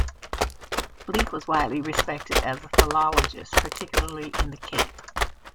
Bleek was widely respected as a philologist, particularly in the Cape.